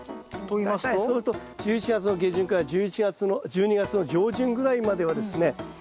そうすると１１月の下旬から１２月の上旬ぐらいまではですね